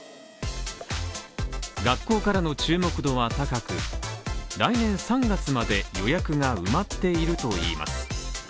学校からの注目度は高く、来年３月まで予約が埋まっているといいます。